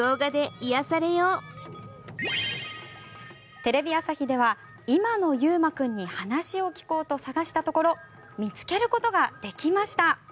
テレビ朝日では今の悠真君に話を聞こうと探したところ見つけることができました。